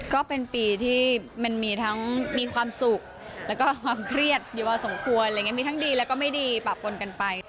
ก็เป็นปีที่มันมีทั้งมีความสุขแล้วก็ความเครียดอยู่พอสมควรอะไรอย่างนี้มีทั้งดีแล้วก็ไม่ดีปะปนกันไป